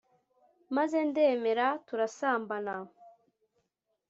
maze ndemera turasambana